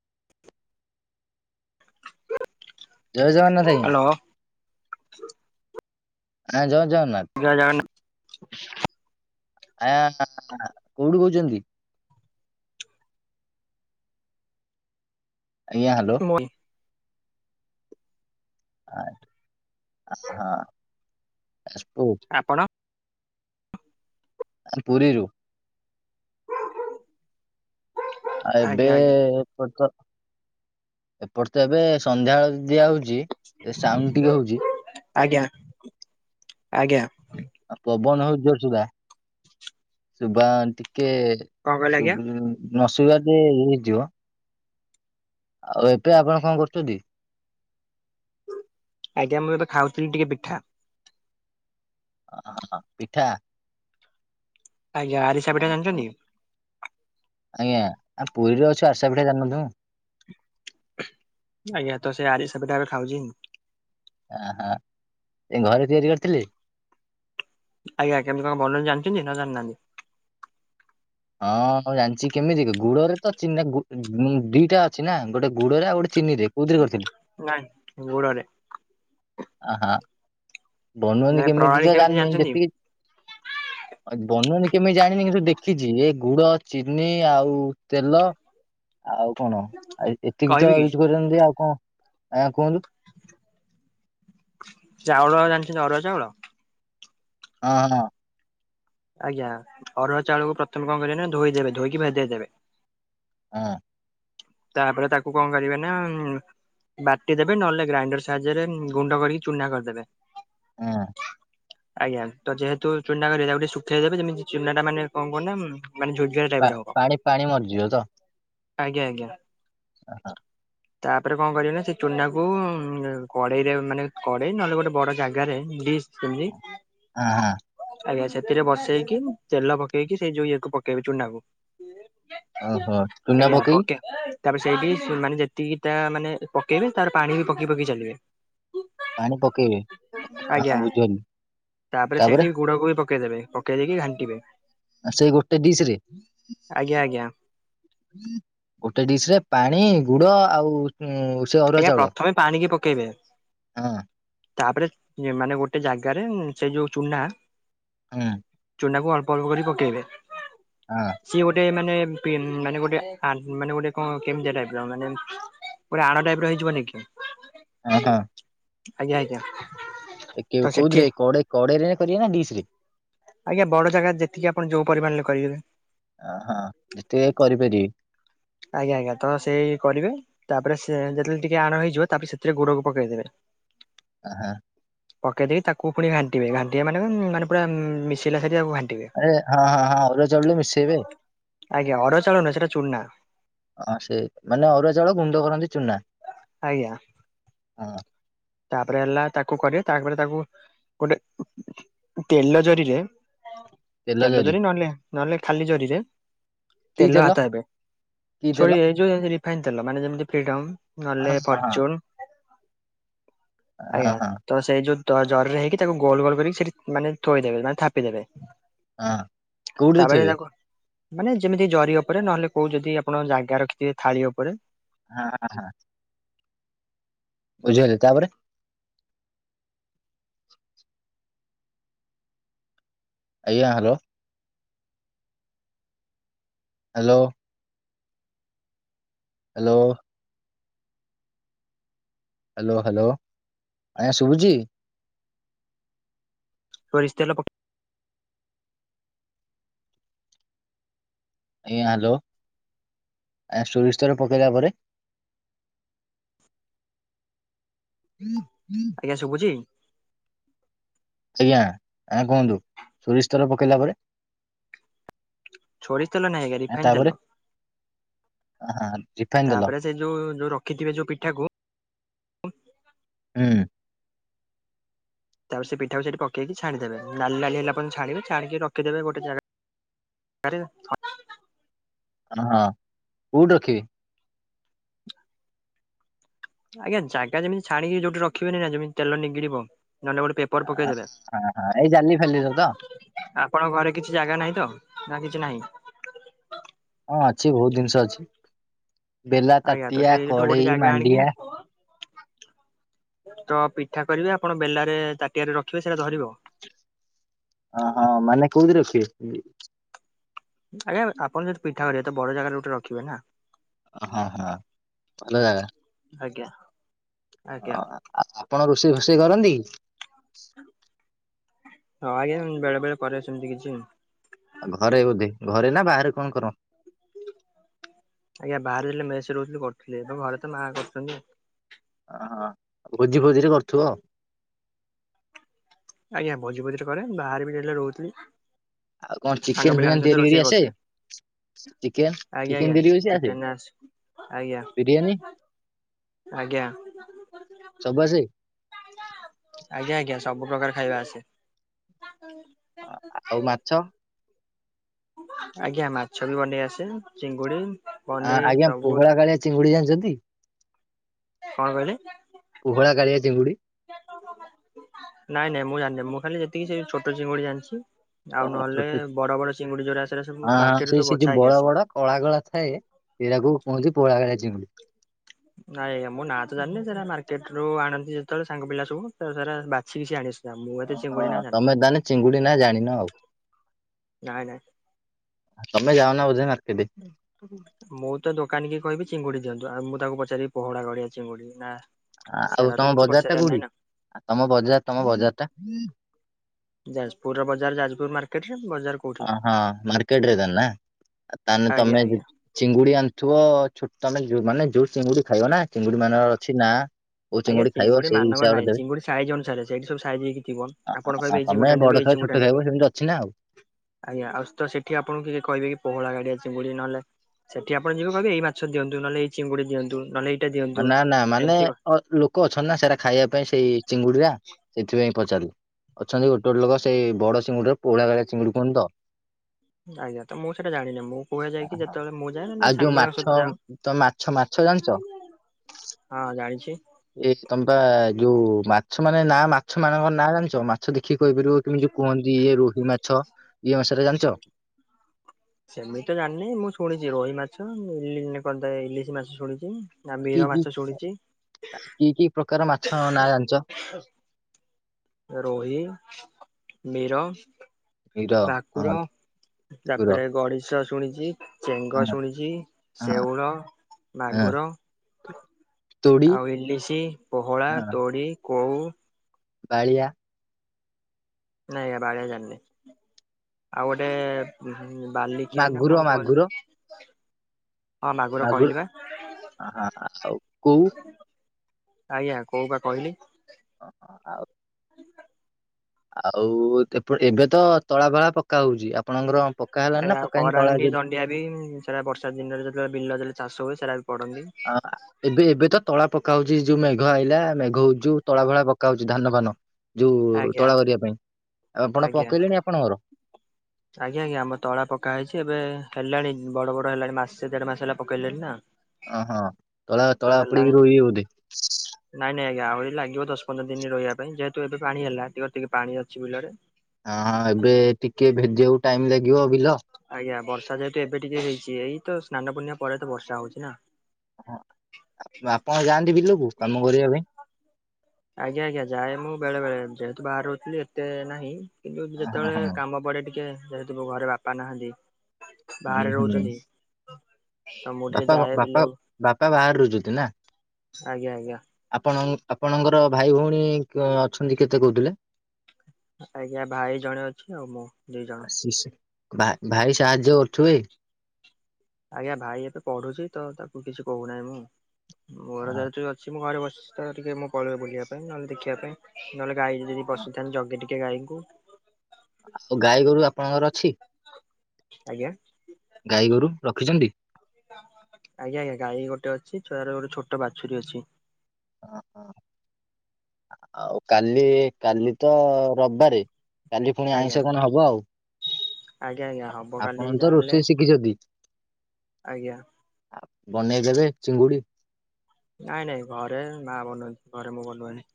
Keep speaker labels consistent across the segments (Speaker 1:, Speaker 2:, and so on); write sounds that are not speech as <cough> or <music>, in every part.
Speaker 1: <inaudible>
Speaker 2: ଜୟ Jagannath
Speaker 1: hello
Speaker 2: ଆଜ୍ଞା ନା ଯ
Speaker 1: ଜୟ ଜଗନ୍ନାଥ
Speaker 2: ଆଜ୍ଞା କୋଉଠୁ କହୁଛନ୍ତି। ଆଜ୍ଞା ହ୍ୟାଲୋ।
Speaker 1: ମୁଁ
Speaker 2: ଆଁ ହା ଆ
Speaker 1: ଆପଣ
Speaker 2: ଆରେ ପୁରୀରୁ। ଆ ଏବେ
Speaker 1: ଆଜ୍ଞା ଆଜ୍ଞା।
Speaker 2: ଏପଟ ତ ଏବେ ସନ୍ଧ୍ୟା ଦିଆ ହଉଛି। ଚି ସାଉଣ୍ଡ ଟିକେ ହଉଛି।
Speaker 1: ଆଜ୍ଞା ଆଜ୍ଞା।
Speaker 2: <unintelligible> ନସୋଇବା
Speaker 1: କଣ କହିଲେ
Speaker 2: ଟେ
Speaker 1: ଆଜ୍ଞା
Speaker 2: ଇଏ ହେଇଯିବ। ଆଉ ଏବେ ଆପଣ କଣ କରୁଛନ୍ତି?
Speaker 1: ଆଜ୍ଞା ମୁଁ ଏବେ ଖାଉଥିଲି ଟିକେ ପିଠା।
Speaker 2: ହ ପିଠା।
Speaker 1: ଆଜ୍ଞା ଆରିସା ପଠା
Speaker 2: ଓହୋ।
Speaker 1: ଜାଣିଛନ୍ତି।
Speaker 2: ଆଜ୍ଞା ଆ ପୁରୀରେ ଅଛୁ ଆରସା ପିଠା ଜାନନଥିବୁ।
Speaker 1: ଆଜ୍ଞା ତ ସେ ଆରିସା ପିଠା ଏବେ ଖାଉଛି ମୁଁ।
Speaker 2: ହ ହ ସେ ଘରେ ତିଆରି କରିଥିଲେ।
Speaker 1: ଆଜ୍ଞା ଆଜ୍ଞା ଏତି କଣ ବ ଜାଣିଛନ୍ତି ନ ଜାଣିନାହାନ୍ତି।
Speaker 2: ହଁ ମୁଁ ଜାଣିଛି କେମିତି ଗୁଡରେ ତ ଚିହ ଦିଟା ଅଛି ନା ଗୋଟେ ଗୁଡରେ ଆଉ ଗୋଟେ ଚିନିରେ କୋଉଥିରେ କରିଥିଲେ?
Speaker 1: ନାଇଁ ଗୋଡରେ।
Speaker 2: ଆ ହ। ବନୁଆନି
Speaker 1: ନାଇଁ
Speaker 2: କେମିତି
Speaker 1: ପ୍ରଣାଳୀ
Speaker 2: ତ ଜାଣିନି
Speaker 1: ଜାଣିଛନ୍ତି
Speaker 2: ଯେତିକି ବନୁ କେମିତି ଜାଣିନି କିନ୍ତୁ ଦେଖିଛି ଏ ଗୁଡ, ଚିନି ଆଉ ତେଲ ଆଉ କଣ? ଆ ଏତିକି
Speaker 1: କହିବି
Speaker 2: ତ
Speaker 1: କି?
Speaker 2: ୟୁଜ୍ କରିଛନ୍ତି ଆଉ କଣ ଆଜ୍ଞା କୁହନ୍ତୁ?
Speaker 1: ଚାଉଳ ଜାଣିଛନ୍ତି ଅରୁଆ ଚାଉଳ।
Speaker 2: ହଁ ହଁ।
Speaker 1: ଆଜ୍ଞା ଅରୁଆ ଚାଉଳକୁ ପ୍ରଥମେ କଣ କରିବ ନା ଧୋଇଦେବେ ଧୋଇକି ଭେଦେଇଦେବେ।
Speaker 2: ହଁ।
Speaker 1: ତାପରେ ତାକୁ କଣ କରିବେ ନା ଉଁ ବାଟି ଦେବେ ନହେଲେ ଗ୍ରାଇଣ୍ଡର ସାହାଯ୍ୟରେ ଗୁଣ୍ଡ କରିକି ଚୁନା କରିଦେବେ।
Speaker 2: ହଁ
Speaker 1: ଆଜ୍ଞା ତ ଯେହେତୁ ଚୁନା କରିବେ ତାକୁ ଟିକେ ଶୁଖେଇ ଦେବେ ଯେମିତି ଚୁନା ଟା ମାନେ କଣ କହନା ମାନେ ଝୁଝୁରା
Speaker 2: ପା
Speaker 1: ଟାଇପ ହବ
Speaker 2: ପାଣି ପାଣି ମରିଯିବ ତ
Speaker 1: ଆଜ୍ଞା ଆଜ୍ଞା। ତାପରେ କଣ କରିବ ନା ସେ ଚୁନା କୁ କଡେଇରେ ମାନେ କଡେଇ ନହେଲେ ଗୋଟେ ବଡ ଜାଗାରେ ଡି। <unintelligible>
Speaker 2: ହଁ ହଁ।
Speaker 1: ଆଜ୍ଞା ସେଥିରେ ବସେଇକି ତେଲ ପକେଇକି ସେଇ ଯୋଉ ଇଏ କ ପକେଇବେ ଚୁନା କୁ।
Speaker 2: ଓହୋ ଚୁନା
Speaker 1: ଆଜ୍ଞା
Speaker 2: ପକେଇ
Speaker 1: ଓକେ। ତାପରେ ସେଇଟି ମାନେ ଯେତିକି ତା ମାନେ ପକେଇବେ ତାର ପାଣି ବି ପକେଇ ପକେଇ ଚାଲିବେ।
Speaker 2: ପାଣି ପକେଇବେ
Speaker 1: ଆଜ୍ଞା
Speaker 2: ହଁ ବୁଝିଗଲି
Speaker 1: ତାପରେ ସେଇଠି ଗୁଡକୁ ବି ପକେଇଦେବେ। ଦେଇକି ଘାଣ୍ଟିବେ।
Speaker 2: ସେଇ ଗୋଟେ ଡିଶ ରେ।
Speaker 1: ଆଜ୍ଞା ଆଜ୍ଞା
Speaker 2: ଗୋଟେ ଡିଶ ରେ ପାଣି ଗୁଡ ଆଉ ଉଁ ସେ ଅରୁଆ
Speaker 1: ଆଜ୍ଞା
Speaker 2: ଚାଉଳ
Speaker 1: ପ୍ରଥମେ ପାଣିିକି ପକେଇବେ।
Speaker 2: ହଁ
Speaker 1: ତାପରେ ମାନେ ଗୋଟେ ଜାଗାରେ ସେ ଯୋଉ ଚୁନା
Speaker 2: ହୁଁ।
Speaker 1: ଚୁନା କୁ ଅଳ୍ପ ଅଳ୍ପ କରି ପକେଇବେ
Speaker 2: ହଁ
Speaker 1: ସିଏ ଗୋଟେ ମାନେ ମାନେ ଗୋଟେ ମାନେ ଗୋଟେ କଣ କେମିତିଆ ଟାଇପ ର ମାନେ ଗୋଟେ ଆଣ ଟାଇପର ରହି ଯିବନି କି?
Speaker 2: ହଁ
Speaker 1: ଆଜ୍ଞା ଆଜ୍ଞା। ତ
Speaker 2: କୋଉ
Speaker 1: ସେଠି
Speaker 2: କୋଉଥିରେ କଡ଼େଇ କଡେଇରେ କରିବେ ନା ଡିଶ ରେ।
Speaker 1: ଆଜ୍ଞା ବଡ ଜାଗା ଯେତିକି ଆପଣ ଯୋଉ ପରିମାଣରେ କରିିବେ।
Speaker 2: ଅ ହଁ ଯେତେ କରିପାରିବି।
Speaker 1: ଆଜ୍ଞା ଆଜ୍ଞା ତ ସେଇ କରିବେ ତାପରେ ସେ ଯେତେବେଳେ ଟିକେ ଆଣ ହେଇଯିବ ତାପରେ ସେଥିରେ ଗୋଡକୁ ପକେଇଦେବେ।
Speaker 2: ଅ ହଁ,
Speaker 1: ପକେଇ ଦେଇକି ତାକୁ ପୁଣି ଘାଣ୍ଟିବେ ଘାଣ୍ଟିବେ ମାନେ ମାନେ ପୁରା ମିଶିଲା ସାରି ତାକୁ ଘାଣ୍ଟି
Speaker 2: ଆରେ ହଁ ହଁ ହଁ ଅରୁଆ ଚାଉଳ ବି ମିଶେଇବେ।
Speaker 1: ଆଜ୍ଞା ଅରୁଆ ଚାଉଳ ନୁହେଁ ସେଟା ଚୁନା
Speaker 2: ହଁ ସେ ମାନେ ଅରୁଆ ଚାଉଳ ଗୁଣ୍ଡ କରନ୍ତି ଚୁନା।
Speaker 1: ଆଜ୍ଞା
Speaker 2: ହଁ,
Speaker 1: ତାପରେ ହେଲା ତାକୁ କରେ ତାପରେ ତାକୁ ଗୋଟେ ତେଲ ଜରିରେ ତେଲ ଜରି ନହେଲେ ନହେଲେ ଖାଲି ଜରିରେ ତେଲ ହାତ ହେବେ
Speaker 2: କି ତେଲ?
Speaker 1: ସୋରି ଏ ଯୋଉ ରିଫାଇନ ତେଲ ମାନେ ଯେମିତି ଫିରଡ଼ମ
Speaker 2: ହଁ
Speaker 1: ନହେଲେ
Speaker 2: ହଁ
Speaker 1: ଫର୍ଚୁନ୍ ଆଜ୍ଞା
Speaker 2: ହଁ ହଁ ହଁ
Speaker 1: ତ ସେଇ ଯୋଉ ତ ଜରିରେ ହେଇକି ତାକୁ ଗୋଲ ଗୋଲ କରିକି ସେଠି ମାନେ ଥୋଇଦେବେ ମାନେ ଥାପିଦେବେ।
Speaker 2: ହଁ କୋଉଠି ଆଛ
Speaker 1: ତାପରେ
Speaker 2: ଏବେ?
Speaker 1: ତାକୁ ମାନେ ଯେମିତି ଜରି ଉପରେ ନହେଲେ କୋଉ ଯଦି ଆପଣ ଜାଗା ରଖିଥିବେ ଥାଳି ଉପରେ।
Speaker 2: ଆ ହଁ ହ। ବୁଝିଗଲି ତାପରେ। ଆଜ୍ଞା hello hello hello hello hello ଆଜ୍ଞା ଶୁବୁଛି?
Speaker 1: ସୋରିଷ ତେଲ ପକେ
Speaker 2: ଇ ହ୍ୟାଲୋ ସୋରିଷ ତେଲ ପକେଇଲା ପରେ
Speaker 1: <inaudible>
Speaker 2: ହୁଁ <inaudible>
Speaker 1: ଆଜ୍ଞା ସୁବୁଛି?
Speaker 2: ଆଜ୍ଞା ଆ କୁହନ୍ତୁ ସୋରିଷ ତେଲ ପକେଇଲା ପରେ।
Speaker 1: ସୋରିଷ ତେଲ ନାହିଁ ଆଜ୍ଞା ରିଫାଇନ୍ ତେଲ।
Speaker 2: ଆ ହଁ। ରିଫାଇନ ତେଲ
Speaker 1: ତାପରେ ସେ ଯୋଉ ଯୋଉ ରଖିଥିବେ ଯୋଉ ପିଠାକୁ
Speaker 2: ହୁଁ।
Speaker 1: ତାପରେ ସେ ପିଠାକୁ ସେଠି ପକେଇକି ଛାଣିଦେବେ। ନାଲି ନାଲି ହେଲା ପର୍ଯ୍ୟନ୍ତ ଛାଣିବେ ଛାଣିକି ରଖିଦେବେ ଗୋଟେ ଜାଗାରେ। ଆରେ ହଁ।
Speaker 2: ହଁ କୋଉଠି ରଖିବେ?
Speaker 1: ଆଜ୍ଞା ଜାଗା ଯେମିତି ଛାଣିକି ଯୋଉଠି ରଖିବେନି ନା ଯେମିତି ତେଲ ନିଗିଡିବ। ନହେଲେ ଗୋଟେ ପେପର ପକେଇଦେବେ।
Speaker 2: ହଁ ହଁ ଏଇ ଜାଲି ଫାଲିରେ ତ
Speaker 1: ଆପଣଙ୍କ ଘରେ କିଛି ଜାଗା ନାହିଁ ତ ନା କିଛି ନାହିଁ?
Speaker 2: ହଁ ଅଛି ବହୁତ ଜିନିଷ ଅଛି ବେଲା,
Speaker 1: ଆଜ୍ଞା
Speaker 2: ତାଟିଆ, କଡ଼େଇ ମାଣ୍ଡିଆ।
Speaker 1: ଟୋକାଟା ତ ପିଠା କରିବେ ଆପଣ ବେଲାରେ ତାଟିଆରେ ରଖିବେ ସେଇଟା ଧରିବ।
Speaker 2: ଅ ହଁ ମାନେ କୋଉଥିରେ ରଖିବେ?
Speaker 1: ଆଜ୍ଞା ଆପଣ ଯଦି ପିଠା କରିବେ ତ ବଡ ଜାଗାରେ ଗୋଟେ ରଖିବେ ନାଁ।
Speaker 2: ଓହଁ ହଁ ଭଲ ଜାଗା।
Speaker 1: ଆଜ୍ଞା। ଆଜ୍ଞା
Speaker 2: ହଁ ଆ ଆପଣ ରୋଷେଇ ଫୋଷେଇ କରନ୍ତି?
Speaker 1: ହଁ ଆଜ୍ଞା ବେଳେ ବେଳେ କରେ ସେମିତି କିଛି।
Speaker 2: ଆଉଁ ଘରେବୋଧେ ଘରେ ନାଁ ବାହାରେ କଣ କର?
Speaker 1: ଆଜ୍ଞା ବାହାରେ ରହିଲେ ମେସ ରହୁଥିଲି କରୁଥିଲେ। ଏବେ ଘରେ ତ ମା କରୁଛନ୍ତି।
Speaker 2: ଓ ହଁ ଭୋଜି ଫୋଜିରେ କରୁଥିବ।
Speaker 1: ଆଜ୍ଞା ଭୋଜି ଫୋଜିରେ କରେ ବାହାରେ ବି ଯେତେବେଳେ ରହୁଥିଲି।
Speaker 2: ଆଉ କଣ
Speaker 1: ସାଙ୍ଗ
Speaker 2: ଚିକେନ
Speaker 1: ପିଲାଙ୍କ
Speaker 2: ଫିକେନ
Speaker 1: ସହିତ
Speaker 2: ତିଆରି କରି
Speaker 1: ରୋଷେଇ
Speaker 2: ଆସେ?
Speaker 1: କରୁଥିଲି
Speaker 2: ଚିକେନ
Speaker 1: ଆଜ୍ଞା
Speaker 2: ଚିକେନ
Speaker 1: ଆଜ୍ଞା।
Speaker 2: ବିରି ମିଶି ଆସେ।
Speaker 1: ଚିକେନ ରାଇସ୍ ଆଜ୍ଞା
Speaker 2: ବିରିୟାନୀ?
Speaker 1: ଆଜ୍ଞା <unintelligible> ଆଜ୍ଞା
Speaker 2: ସବୁ ଆସେ?
Speaker 1: ଆଜ୍ଞା। ସବୁ ପ୍ରକାର ଖାଇବା ଆସେ।
Speaker 2: ଆ-ଆ ଆଉଁ ମାଛ?
Speaker 1: ଆଜ୍ଞା ମାଛ ବି ବନେଇ ଆସେ। ଚିଙ୍ଗୁଡି
Speaker 2: ଆଁ
Speaker 1: ପନିର
Speaker 2: ଆଜ୍ଞା
Speaker 1: ସବୁ
Speaker 2: ପୋହଳା କାଳିଆ ଚିଙ୍ଗୁଡି ଜାଣିଛନ୍ତି?
Speaker 1: କଣ କହିଲେ?
Speaker 2: ପୋହଳା କାଳିଆ ଚିଙ୍ଗୁଡି।
Speaker 1: ନାଇଁ ନାଇଁ ମୁଁ ଜାନି। ମୁଁ ଖାଲି ଯେତିକି ସେ ଛୋଟ ଚିଙ୍ଗୁଡି ଜାଣିଛି। ଆଉ
Speaker 2: ଓହୋ
Speaker 1: ନହେଲେ
Speaker 2: ଛୋଟ
Speaker 1: ବଡ ବଡ ଚିଙ୍ଗୁଡି ଯୋଉରା ସେଇରା ସବୁ
Speaker 2: ଆ
Speaker 1: ମାର୍କେଟ ରୁ
Speaker 2: ସେଇ ସେ
Speaker 1: ସବୁ
Speaker 2: ଯୋଉ
Speaker 1: ବଛା ହେଇକି
Speaker 2: ବଡ
Speaker 1: ଆସେ।
Speaker 2: ବଡ କଳା କଳା ଥାଏ ସେଇଟାକୁ କୁହନ୍ତି ପୋଳାକାଳୀଆ ଚିଙ୍ଗୁଡି।
Speaker 1: ନାଇଁ ଆଜ୍ଞା ନାଁ ତ ଜାଣିନି। ସେଇଟା ମାର୍କେଟ ରୁ ଆଣ ଯେତେବେଳେ ସାଙ୍ଗ ପିଲା ସବୁ ତା ସାରା ବାଛିକି ସେ ଆଣିବେ।
Speaker 2: ହଁ ହଁ ତମେ ତାହାଲେ ଚିଙ୍ଗୁଡି ନାଁ ଜାଣିନ ଆଉ।
Speaker 1: ନାଇଁ ନାଇଁ
Speaker 2: ତମେ ଯାଅ ନା ବୁଧେ ମାର୍କେଟେ।
Speaker 1: ମୁଁ ତ ଦୋକାନୀ କି କହିବି ଚିଙ୍ଗୁଡି ଦିଅନ୍ତୁ। ଆଉ ମୁଁ ତାଙ୍କୁ ପଚାରିବି ପୋହଳା କାଳିଆ ଚିଙ୍ଗୁଡି ନାଁ
Speaker 2: ଆଉଁ ତମ ବଜାର ଟା କୋଉଁଠି? ତମ ବଜାର ତମ ବଜାର ଟା।
Speaker 1: ଯାଜପୁର ର ବଜାର ଯାଜପୁର ମାର୍କେଟ।
Speaker 2: ଓଁ ହୋ ମାର୍କେଟରେ ତାନେ ତାହେଲେ
Speaker 1: ଆଜ୍ଞା
Speaker 2: ତମେ
Speaker 1: ଆଜ୍ଞା।
Speaker 2: ଚିଙ୍ଗୁଡି ଆଣୁଥିବ। ଛୋଟଲାଗିବ ମାନେ ଯୋଉଁ ଚିଙ୍ଗୁଡି ଖାଇବ ନାଁ ସେ ଚିଙ୍ଗୁଡି ମାନଙ୍କର ଅଛି ନାଁ।
Speaker 1: ଆଜ୍ଞା ଚିଙ୍ଗୁଡି ମାନଙ୍କ ନାହିଁ। ଚିଙ୍ଗୁଡି ସାଇଜ୍ ଅନୁସାରେ ସେଠି ସବୁ ସାଇଜ ହେକି ଥିବ। ଆପଣ କହିବେ ଏଇ ଚିଙ୍ଗୁଡି ଟା ନେବେ। ଏଇ
Speaker 2: କହିବେ
Speaker 1: ଚିଙ୍ଗୁଡିଟା
Speaker 2: ଛୋଟ
Speaker 1: ନେବେ।
Speaker 2: ଖାଇବୁ ସେମିତି ଅଛି ନାଁ ଆଉ।
Speaker 1: ଆଜ୍ଞା ଆଉ ତ ସେଠି ଆପଣଙ୍କୁ କିଏ କହିବେ କି ପୋହଳାକାଳିଆ ଚିଙ୍ଗୁଡି। ନହେଲେ ସେଠି ଆପଣ ଯିବେ କହିବେ ଏଇ ମାଛ ଦିଅନ୍ତୁ। ନହେଲେ ଏଇ ଚିଙ୍ଗୁଡିି ଦିଅନ୍ତୁ। ନହଲେ
Speaker 2: ନାଁ ନାଁ ମାନେ ଅ ଲୋକ ଅଛନ୍ତି ନା ସେଟା ଖାଇବା ପାଇଁ ସେଇ ଚିଙ୍ଗୁଡିଡା। ସେଇଥିପାଇଁ ପଚାରିବୁ ଅଛନ୍ତି ଗୋଟେ ଗୋଟେ ଲୋକ ସେଇ ବଡ ଚିଙ୍ଗୁଡିର ପୋହଳା କାଳିଆ ସିଙ୍ଗୁଡି କୁହନ୍ତି ତ।
Speaker 1: ଆଜ୍ଞା ତ ମୁଁ ସେଇଟା ଜାଣିନି। ମୁଁ କୁହାଯାଇକି ଯେତେବେଳେ ମୁଁ ଯାଏ ନହଲେ ସାଙ୍ଗଙ୍କ ସ ଯାଅ।
Speaker 2: ମିଛ ଜାଣିଛ।
Speaker 1: ହଁ ଜାଣିଛି।
Speaker 2: ଇସି ତମେ ପା ଯୋଉଁ ମାଛ ମାନେ ନାଁ ମାଛ ମାନଙ୍କର ନାଁ ଜାଣିଛ। ମାଛ ଦେଖି ଦେଖିକି କହିପାରିବ କେମିତି କୁହନ୍ତି ଏରୋହି ମାଛ ଇଏ ମାଛ ଟା ଜାଣିଛ।
Speaker 1: ସେମିତି ତ ଜାଣିନି। ମୁଁ ଶୁଣିଛି ରୋହି ମାଛ ଏଁ କଣ ତ ଇଲିଶି ମାଛ ଶୁଣିଛି। ନାଁ ମିର ମାଛ ଶୁଣିଛି।
Speaker 2: କେତେ ପ୍ରକାର ମାଛ ନାଁ ଜାଣିଛ।
Speaker 1: ଖାଁ। ରୋହି ମୀର। ଭାକୁର ତାପରେ ଗଡିଶ ଶୁଣିଛି। ଚେଙ୍ଗ
Speaker 2: ହଁ
Speaker 1: ଶୁଣିଛି
Speaker 2: ହଁ
Speaker 1: ଶେଉଳ
Speaker 2: ହଁ
Speaker 1: ମାଗୁର।
Speaker 2: ତୋଡି
Speaker 1: ଆଉ ଇଲିଶି ପୋହଳା
Speaker 2: ହଁ
Speaker 1: ତୋଡି କଉ।
Speaker 2: ବାଳିଆ।
Speaker 1: ନାଇଁ ବାଳିଆ ଜାଣନି। ଆଉ ଗୋଟେ ବାଲିଖିଆ ନା
Speaker 2: ମାଗୁର
Speaker 1: କଣ
Speaker 2: ମାଗୁର
Speaker 1: କୁହ।
Speaker 2: ମାଗୁର ଆ-ଆ-ଆ-ଆଉ କଉ।
Speaker 1: ଆଜ୍ଞା କୋଉ ବା କହିଲି।
Speaker 2: ଓ-ଓ-ଆଉ। ଆଉ ଏବେ ତ ତଳା ଭଳା ପକ୍କା ହଉଛି। ଆ
Speaker 1: ଏଉ କରାଣ୍ଡି ଜଣ୍ଡିଆ ବି ସେଟା ବର୍ଷା ଦିନରେ ଯେତେବେଳେ ବିଲ ଚାଷ ହୁଏ। ସେରା
Speaker 2: ଆ-ଆ-ଅ ଏବେ ଏବେ ତ ତଳା ପକ ପକା ହଉଛି ଯୋଉ ମେଘ ଆଇଲା ମେଘ ହଉଛିଉ। ତଳା ଭଳା ପକା ହଉଛି ଧାନ ଫାନ। ଯୋଉ
Speaker 1: ଆଜ୍ଞା
Speaker 2: ତୋଳା କରିବା ପାଇଁ। ଆଉ ଆପଣ
Speaker 1: ଆଜ୍ଞା
Speaker 2: ପକେଇଲେଣି ଆପଣଙ୍କର।
Speaker 1: ଆଜ୍ଞା ଆଜ୍ଞା ଆମ ତଳା ପକା ହେଇଛି ଏବେ ହେଲାଣି। ବଡ ବଡ ହେଲାଣି। ମାସେ ଦେଢ ମାସ ହେଲା ପକେଇଲେଣି ନା।
Speaker 2: ଅ ହଁ ତଳା
Speaker 1: ତ
Speaker 2: ତଳ
Speaker 1: ହେଲାଣି
Speaker 2: ପଡିିରୁ ରୁହି ବୋଧେ।
Speaker 1: ନାଇଁ ନାଇଁ ଆହୁରି ଲାଗିବ ଦଶ ପନ୍ଦର ଦିନ ରହିବା ପାଇଁ। ଯେହେତୁ ଏବେ ପାଣି ହେଲା ଟିକ ଟିକେ ପାଣି ଅଛି ବିଲରେ।
Speaker 2: ହଁଁ ଏବେ ଟିକେ ଭେଜିବାକୁ ଟାଇମ୍ ଲାଗିବ ବିଲ।
Speaker 1: ଆଜା ବର୍ଷା ଯହେତୁ ଏବେ ଟିକେ ହେଇଛି। ଏଇ ସ୍ନାନ ପୁର୍ଣି ପରେ ତ ବର୍ଷା ହଉଛି ନା।
Speaker 2: ହଁ ଆପଣ ଯାଆନ୍ତି ବିଲକୁ କାମ କରିବା ପାଇଁ?
Speaker 1: ଆଜ୍ଞା ଆଜ୍ଞା ଯାଏ ମୁଁ ବେଳେ ବେଳେ ଯେହେତୁ ବାହରେ ରହୁଥିଲି ଏତେ ନାହିଁ। କିନ୍ତୁ
Speaker 2: ହଁ
Speaker 1: ଯେତେବେଳେ
Speaker 2: ହଁ
Speaker 1: କାମ ପଡେ ଟିକେ ଯେହେତୁ ଘରେ ବାପା ନାହାନ୍ତି
Speaker 2: ହୁଁ
Speaker 1: ବାହାରେ
Speaker 2: ହୁଁ
Speaker 1: ରହୁଛନ୍ତି। ତ ମୁଁ ଟିକେ
Speaker 2: ବାପା
Speaker 1: ଯାଏ
Speaker 2: ଙ୍କ ବାପା
Speaker 1: ବିଲକୁ
Speaker 2: ବାପା ବାହାରେ ରହୁଛନ୍ତି ନା?
Speaker 1: ଆଜ୍ଞା ଆଜ୍ଞା।
Speaker 2: ଆପଣ ଆପଣଙ୍କର ଭାଇ ଭଉଣୀ ଅଛନ୍ତି କେତେ କହୁଥିଲେ?
Speaker 1: ଆଜ୍ଞା ଭାଇ ଜଣେ ଅଛି ଆଉ ମୁଁ ଦି ଜଣ।
Speaker 2: ଭାଇ ଭାଇ ସାହାଯ୍ୟ କରୁଥିବେ?
Speaker 1: ଆଜ୍ଞା ଭାଇ ଏବେ ପଢୁଛି ତ ତାକୁ କିଛି କହୁନାହିଁ ମୁଁ ଘର ଯେହେତୁ ଅଛି ମୁଁ ଘରେ ବସି ତ ଟିକେ ମୁଁ ପଳିବି ବୁଲିବା ପାଇଁ ନହେଲେ ଦେଖିବା ପାଇଁ ନହେଲେ ଗାଈ ଯଦି ବସିଥାନ୍ତି ଜଗେ ଟିକେ କେ ଗାଈଙ୍କୁ।
Speaker 2: ଆଉ ଗାଈ ଗୋରୁ ଆପଣଙ୍କର ଅଛି?
Speaker 1: ଆଜ୍ଞା?
Speaker 2: ଗାଈ ଗୋରୁ ରଖିଛନ୍ତି?
Speaker 1: ଆଜ୍ଞା ଆଜ୍ଞା ଗାଈ ଗୋଟେ ଅଛି ଛୁଆ ର ଗୋଟେ ଛୋଟ ବାଛୁରୀ ଅଛି। <inaudible>
Speaker 2: ଆଉ କାଲି କାଲି ତ ରବିବାରେ। କାଲି ପୁଣି
Speaker 1: ଆଜ୍ଞା।
Speaker 2: ଆଇଁଷହ କଣ ହବ ଆଉ।
Speaker 1: ଆଜ୍ଞା ଆଜ୍ଞା ହବ କାଲି
Speaker 2: ଆପଣ ତ
Speaker 1: ଯାହାହେଲେ
Speaker 2: ରୋଷେଇ ଶିଖିଛନ୍ତି।
Speaker 1: ଆଜ୍ଞା।
Speaker 2: ବନେଇଦବେ ଚିଙ୍ଗୁଡି।
Speaker 1: ନାଇଁ ନାଇଁ ଘରେ ମା ବନୁନ୍ତି ଘରେ ମୁଁ ବନୁନି।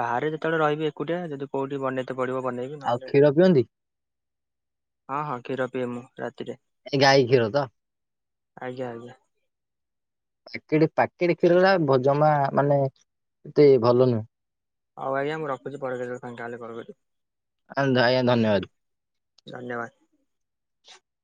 Speaker 1: ବାହାରେ ଯେତେବେଳେ ରହିବି ଏକୁଟିଆ ଯଦି କୋଉଠି ବନେଇତେ ପଡିବ ବନେଇବି
Speaker 2: ଆଉ
Speaker 1: ନହେଲେ
Speaker 2: କ୍ଷୀର ପିଅନ୍ତି
Speaker 1: ହଁ ହଁ ଖୀର ପିଏ ମୁ ରାତିରେ।
Speaker 2: ଏ ଗାଈ ଖିୀର ତ?
Speaker 1: ଆଜ୍ଞା ଆଜ୍ଞା।
Speaker 2: ପାକେଟ ପକେଟ କ୍ଷୀର ରା ଜମା ମାନେ ଏତେ ଭଲ ନୁହେଁ।
Speaker 1: ହଉ ଆଜ୍ଞା ମୁଁ ରଖୁଛି ପରେ କେତେବେଳ ଫାଙ୍କା ହେଲେ କଲ୍ କରିବି।
Speaker 2: ଆ ଆଜ୍ଞା ଧନ୍ୟବାଦ।
Speaker 1: ଧନ୍ୟବାଦ।